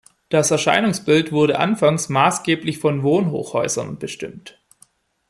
Das Erscheinungsbild wurde anfangs maßgeblich von Wohnhochhäusern bestimmt.